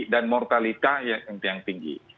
dan mortalita yang tinggi